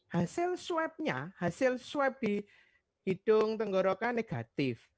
hasil swab nya hasil swab di hidung tenggoroka negatif